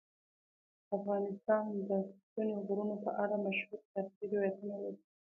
افغانستان د ستوني غرونه په اړه مشهور تاریخی روایتونه لري.